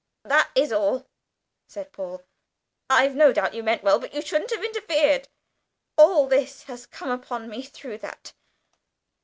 "That is all," said Paul. "I've no doubt you meant well, but you shouldn't have interfered. All this has come upon me through that.